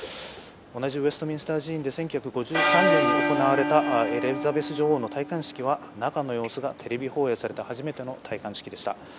同じウェストミンスター寺院で１９５３年に行われたエリザベス女王の戴冠式は中の様子がテレビ放映された初めての戴冠式でした。